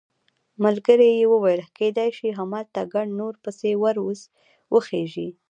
ملګري یې وویل کېدای شي همالته ګڼ نور پسې ور وخېژي.